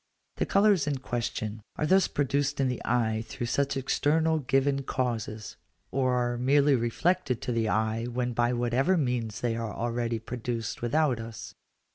The colours in question are thus produced in the eye through such external given causes, or are merely reflected to the eye when by whatever means they are already produced without us.